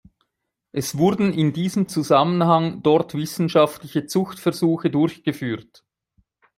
Es wurden in diesem Zusammenhang dort wissenschaftliche Zuchtversuche durchgeführt.